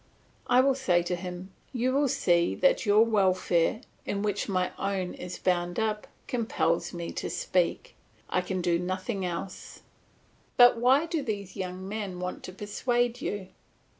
I will say to him, You will see that your welfare, in which my own is bound up, compels me to speak; I can do nothing else. But why do these young men want to persuade you?